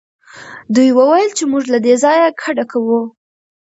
دوی وویل چې موږ له دې ځایه کډه کوو.